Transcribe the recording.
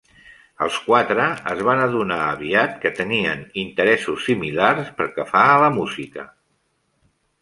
Els quatre es van adonar aviat que tenien interessos similars pel que fa a la música.